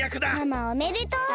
ママおめでとう。